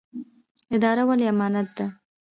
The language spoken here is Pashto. اداره ولې امانت ده؟